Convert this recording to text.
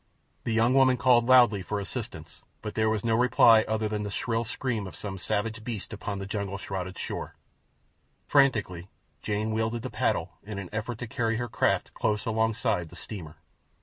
The young woman called loudly for assistance, but there was no reply other than the shrill scream of some savage beast upon the jungle shrouded shore. Frantically Jane wielded the paddle in an effort to carry her craft close alongside the steamer.